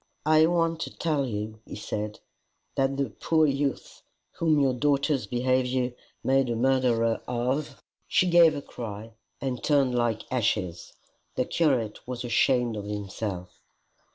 "I want to tell you," he said, "that the poor youth whom your daughter's behaviour made a murderer of, " She gave a cry, and turned like ashes. The curate was ashamed of himself.